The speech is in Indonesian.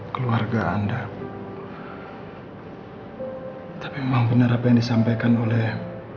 keluarga anda tapi mau bener apa yang disampaikan oleh